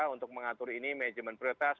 untuk mengatur ini manajemen prioritas